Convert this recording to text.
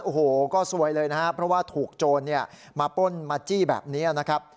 โอ้โหก็ซวยเลยนะครับเพราะว่าถูกโจรมาป้นมาจี้แบบนี้นะครับ